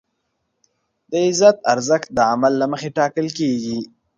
د عزت ارزښت د عمل له مخې ټاکل کېږي.